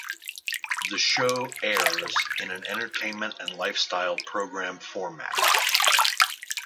The show airs in an entertainment and lifestyle program format.